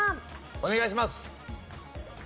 お願いします。